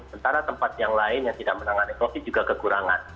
sementara tempat yang lain yang tidak menangani covid juga kekurangan